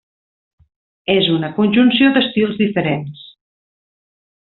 És una conjunció d'estils diferents.